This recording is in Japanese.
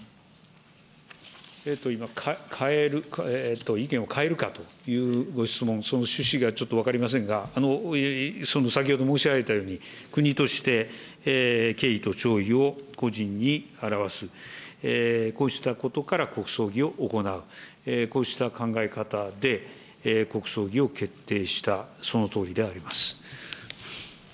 今、変える、意見を変えるかというご質問、その趣旨がちょっと分かりませんが、先ほど申し上げたように、国として敬意と弔意を故人に表す、こうしたことから国葬儀を行う、こうした考え方で国葬儀を決定した、そのとおりであります。